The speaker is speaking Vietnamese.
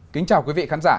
kính chào quý vị khán giả